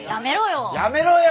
やめろよ！